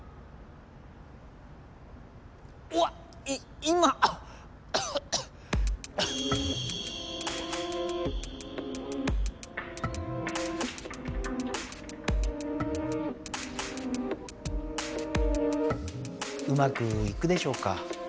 今⁉うまくいくでしょうか？